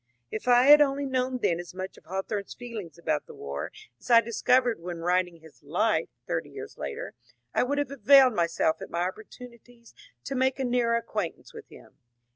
If I had only known then as much of Hawthorne's feeling about the war as I discovered when writing his ^^ Life " thirty years later, I would have availed myself of my opportunities to make a nearer acquaintance with him.